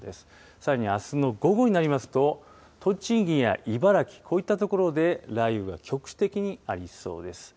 さらにあすの午後になりますと、栃木や茨城、こういった所で雷雨が局地的にありそうです。